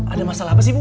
ada masalah apa sih bu